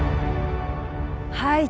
はい。